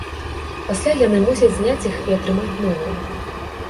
Пасля яны мусяць зняць іх і атрымаць новыя.